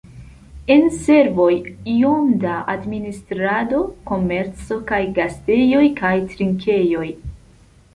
En servoj iom da administrado, komerco kaj gastejoj kaj trinkejoj.